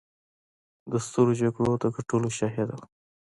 د سترو جګړو د ګټلو شاهده وه.